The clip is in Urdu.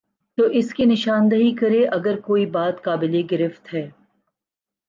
تو اس کی نشان دہی کرے اگر کوئی بات قابل گرفت ہے۔